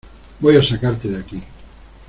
Voy a sacarte de aquí.